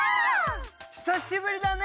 久しぶりだね！